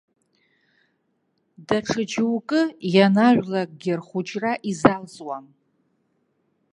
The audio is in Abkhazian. Даҽа џьоукы, ианажәлакгьы, рхәыҷра изалҵуам.